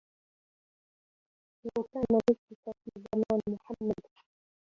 لو كان مثلك في زمان محمد